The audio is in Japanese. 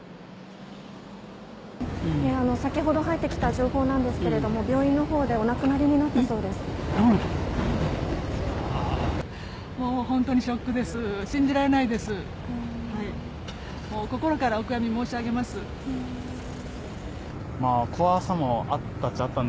先ほど入ってきた情報なんですけれども、病院のほうでお亡くなりになったそうです。え、亡くなった？